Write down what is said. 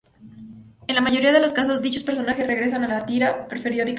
En la mayoría de los casos, dichos personajes regresan a la tira periódicamente.